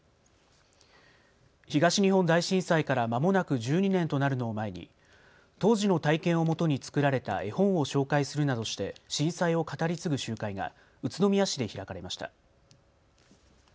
東日本大震災からまもなく１２年となるのを前に当時の体験をもとに作られた絵本を紹介するなどして震災を語り継ぐ集会が宇都宮市で開かれました。